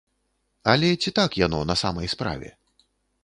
Але ці так яно на самай справе?